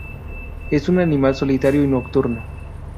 Es un animal solitario y nocturno.